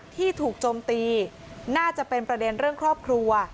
ที่ถูกโจมตีน่าจะเป็นประเด็นเรื่องครอบครัว